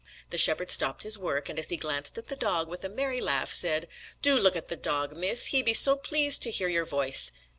The shepherd stopped his work, and as he glanced at the dog with a merry laugh, said, "Do look at the dog, Miss; he be so pleased to hear your voice."